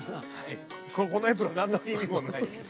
このエプロン何の意味もないです。